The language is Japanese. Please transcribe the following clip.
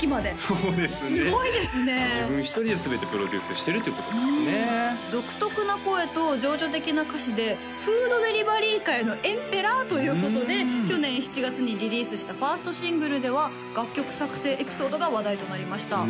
そうですねすごいですね自分一人で全てプロデュースしてるということですね独特な声と情緒的な歌詞でフードデリバリー界の皇帝ということで去年７月にリリースした１ｓｔシングルでは楽曲作成エピソードが話題となりました